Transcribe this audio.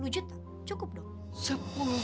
sepuluh juta cukup dong